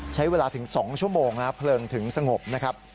ใช้เวลาถึง๒ชั่วโมงเพลิงถึงสงบนะครับ